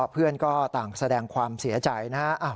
เพื่อนก็ต่างแสดงความเสียใจนะฮะ